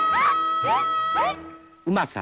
うまさ